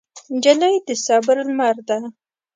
نجلۍ د صبر لمر ده.